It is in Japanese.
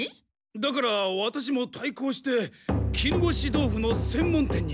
だからワタシも対こうして絹ごし豆腐の専門店にしようと。